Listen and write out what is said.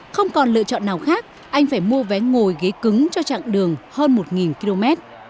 không còn lựa chọn nào khác anh phải mua vé ngồi ghế cứng cho chặng đường hơn một km